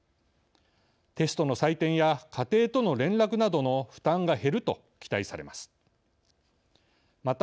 テストの採点や家庭との連絡などの負担が減ると期待されます。